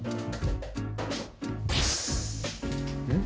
「うん？」